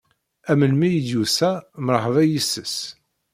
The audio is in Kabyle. A melmi i d-yusa, mṛeḥba yis-s.